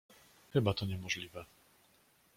"Chyba to niemożliwe."